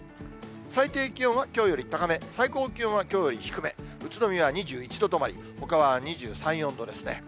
最低気温はきょうより高め、最高気温はきょうより低め、宇都宮は２１度止まり、ほかは２３、４度ですね。